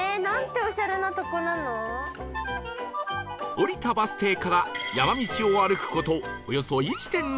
降りたバス停から山道を歩く事およそ １．６ キロ